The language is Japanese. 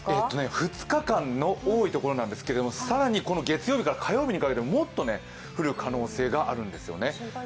２日間の多いところなんですけど更に月曜日から火曜日にかけてもっと降る可能性があるんですよね。